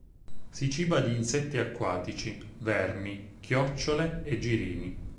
Si ciba di insetti acquatici, vermi, chiocciole e girini.